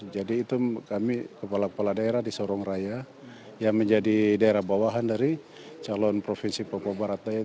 jadi itu kami kepala kepala daerah di sorong raya yang menjadi daerah bawahan dari calon provinsi papua barat daya